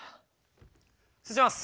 失礼します。